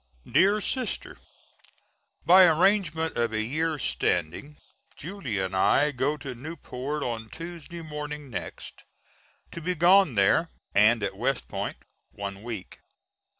DEAR SISTER: By arrangement of a year's standing Julia and I go to Newport on Tuesday morning next, to be gone there, and at West Point, one week.